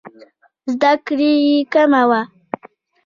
زده کړې یې کمه وه.